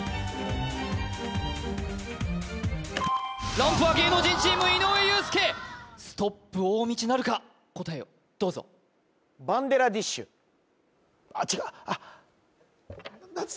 ランプは芸能人チーム井上裕介ストップ大道なるか答えをどうぞ何つった？